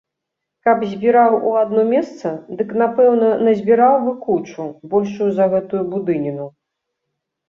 Каб збіраў у адно месца, дык напэўна назбіраў бы кучу, большую за гэтую будыніну.